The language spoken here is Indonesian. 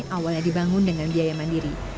awalnya dibangun dengan biaya mandiri